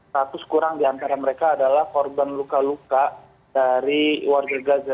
satu sekurang di antara mereka adalah korban luka luka dari warga gaza